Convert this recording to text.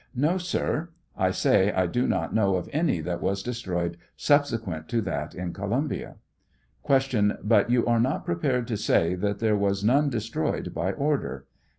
No, sir; I say I do not know of any that was destroyed subsequent to that in Columbia. Q. But you are not prepared to say that there was none destroyed by order?